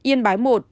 yên bái một